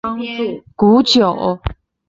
古九寒更发现武功高强的石榴样貌一样。